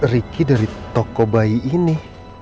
ricky dari toko bayi ini